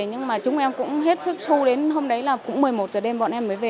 nhưng mà chúng em cũng hết sức xô đến hôm đấy là cũng một mươi một giờ đêm bọn em mới về